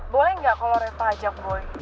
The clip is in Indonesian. boleh gak kalau reva ajak boy